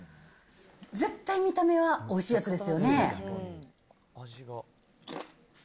絶対見た目はおいしいやつですよね。